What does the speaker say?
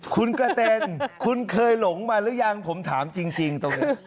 คุณกระเต็นคุณเคยหลงมาหรือยังผมถามจริงตรงนี้